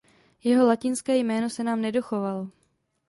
Jeho latinské jméno se nám nedochovalo.